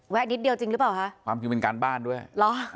นิดเดียวจริงหรือเปล่าคะความจริงเป็นการบ้านด้วยเหรอ